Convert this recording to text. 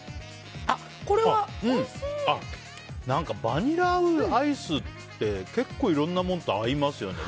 バニラアイスって結構、いろんなものと合いますよね。